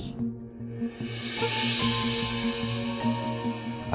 sekarang jadi susah